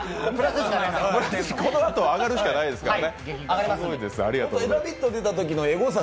このあと、上がるしかないですからね。